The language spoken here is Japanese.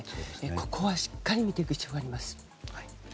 ここはしっかり見ていく必要があります。